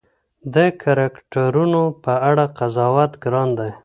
د کرکټرونو په اړه قضاوت ګران دی.